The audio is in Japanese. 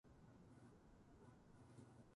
好きな食べ物は何ですか。